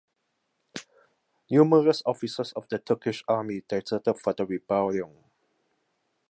Numerous officers of the Turkish army deserted for the rebellion.